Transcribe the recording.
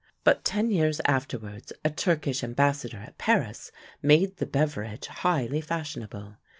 But ten years afterwards a Turkish ambassador at Paris made the beverage highly fashionable.